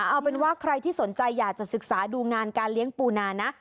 เอาเป็นว่าใครที่สนใจอยากจะศึกษาดูงานการเลี้ยงปูนานะ